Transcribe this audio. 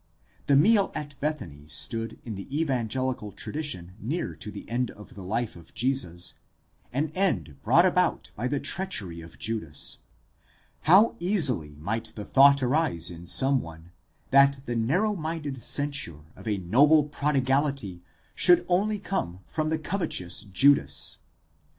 The meal at Bethany stood in the evangelical tradition near to the end of the life of Jesus, an end brought about by the treachery of Judas ;—how easily might the thought arise in some one, that the narrow minded censure of a noble prodi gality could only come from the covetous Judas?